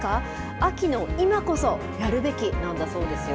秋の今こそやるべきなんだそうですよ。